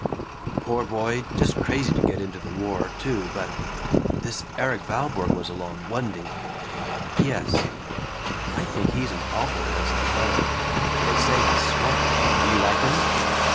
"Poor boy, just crazy to get into the war, too, but This Erik Valborg was along, wa'n't he?" "Yes." "I think he's an awful handsome fellow, and they say he's smart. Do you like him?"